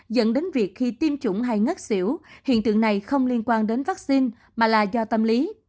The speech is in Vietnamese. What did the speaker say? dẫn đến việc khi tiêm chủng hay ngất xỉu hiện tượng này không liên quan đến vaccine mà là do tâm lý